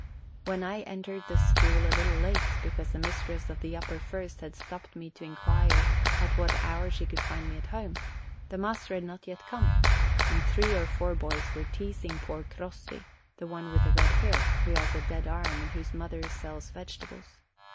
When I entered the school a little late, because the mistress of the upper first had stopped me to inquire at what hour she could find me at home, the master had not yet come, and three or four boys were teasing poor Crossi, the one with the red hair, who has a dead arm, and whose mother sells vegetables.